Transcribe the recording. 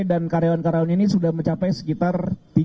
dan karyawan karyawan ini sudah mencapai sekitar